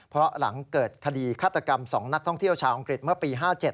เพราะหลังเกิดคดีฆาตกรรม๒นักท่องเที่ยวชาวอังกฤษเมื่อปี๕๗